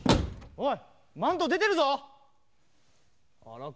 おい！